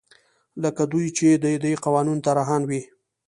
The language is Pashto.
لکه دوی چې د دې قوانینو طراحان وي.